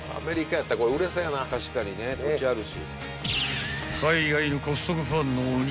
確かにね土地あるし。